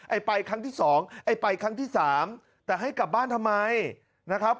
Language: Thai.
ไปครั้งที่สองไอ้ไปครั้งที่สามแต่ให้กลับบ้านทำไมนะครับ